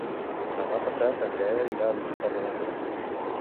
Demà passat en Gaël irà a visitar mon oncle.